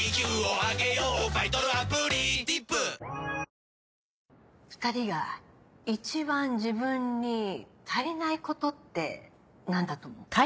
続く２人が一番自分に足りないことって何だと思う？